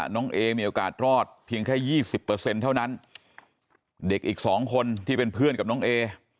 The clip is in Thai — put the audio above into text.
น้องเอมีโอกาสรอดเพียงแค่๒๐เท่านั้นเด็กอีกสองคนที่เป็นเพื่อนกับน้องเอ